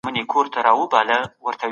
د ژوند په سختۍ کي صبر کوئ.